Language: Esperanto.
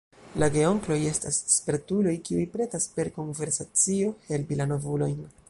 La geonkloj estas spertuloj, kiuj pretas per konversacio helpi la novulojn.